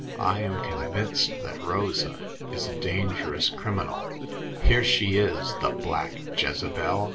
I am convinced that Rosa is a dangerous crim inal. Here she is— the black Jezebel